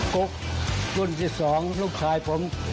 กกรุ่นที่๒ลูกชายผม